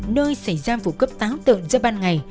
nơi xảy ra vụ cấp táo tượng ra ban ngày